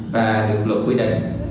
và được luật quy định